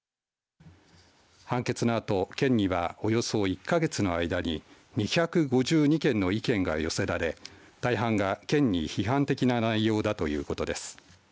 判決のあと、県にはおよそ１か月の間に２５２件の意見が寄せられ大半が県に批判的な内容だということです。